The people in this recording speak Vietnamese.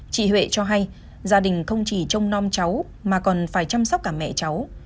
chị huệ cho hay gia đình không chỉ trông non cháu mà còn phải chăm sóc cả mẹ cháu